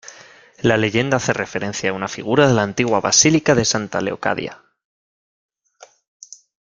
La leyenda hace referencia a una figura de la antigua basílica de Santa Leocadia.